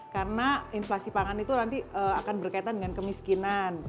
karena inflasi pangan itu nanti akan berkaitan dengan kemiskinan